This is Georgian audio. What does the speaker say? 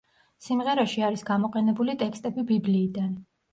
სიმღერაში არის გამოყენებული ტექსტები ბიბლიიდან.